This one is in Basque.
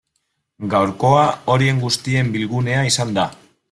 Gaurkoa horien guztien bilgunea izan da.